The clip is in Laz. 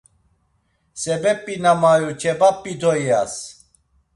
Sebep̌i na mayu çebap̌i to iyas.